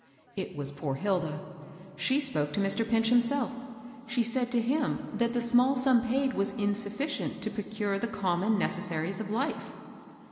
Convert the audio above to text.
It was poor Hilda. She spoke to Mr. Pinch himself, — she said to him that the small sum paid was insufficient to procure the common necessaries of life.